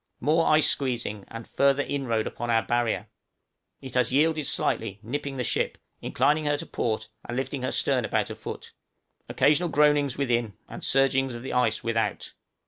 More ice squeezing, and a further inroad upon our barrier; it has yielded slightly, nipping the ship, inclining her to port, and lifting her stern about a foot. Occasional groanings within, and surgings of the ice without.